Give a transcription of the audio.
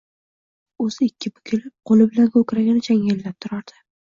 O‘zi ikki bukilib, qo‘li bilan ko‘kragini changallab turardi.